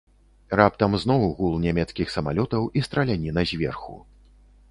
Раптам зноў гул нямецкіх самалётаў і страляніна зверху.